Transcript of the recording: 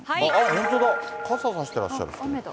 本当だ、傘を差していらっしゃる。